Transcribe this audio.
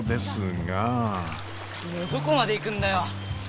どこまで行くんだよ？